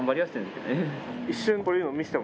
一瞬。